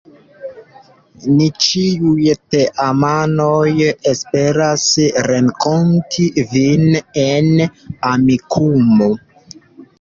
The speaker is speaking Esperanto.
Ni ĉiuj teamanoj esperas renkonti vin en Amikumu.